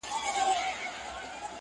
شهادت د حماقت يې پر خپل ځان كړ!.